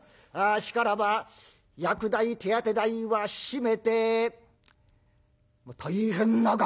しからば薬代手当て代は締めて大変な額である。